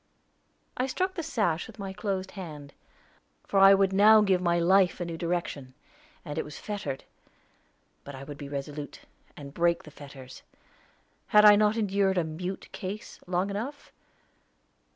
I struck the sash with my closed hand, for I would now give my life a new direction, and it was fettered. But I would be resolute, and break the fetters; had I not endured a "mute case" long enough?